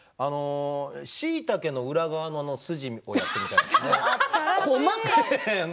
しいたけの裏側の筋みたいな細かいですね。